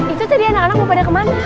itu tadi anak anak mau pada kemana